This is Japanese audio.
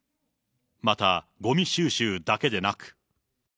また、ごみ収集だけでなく。